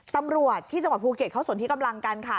ตำรวจที่จังหวัดภูเก็ตเขาสนที่กำลังกันค่ะ